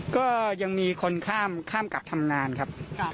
ก็ยังมีคนข้ามกลับทำงานครับ